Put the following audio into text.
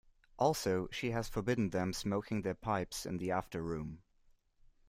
Also, she has forbidden them smoking their pipes in the after-room.